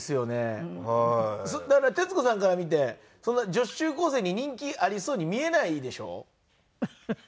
だから徹子さんから見てそんな女子中高生に人気ありそうに見えないでしょ？